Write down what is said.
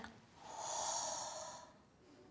はあ。